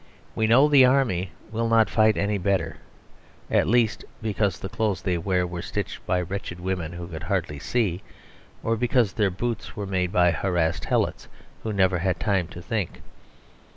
We know the Army will not fight any better, at least, because the clothes they wear were stitched by wretched women who could hardly see; or because their boots were made by harassed helots, who never had time to think.